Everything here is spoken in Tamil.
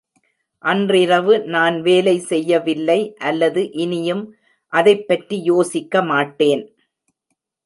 அன்றிரவு நான் வேலை செய்யவில்லை அல்லது இனியும் அதைப்பற்றி யோசிக்க மாட்டேன்.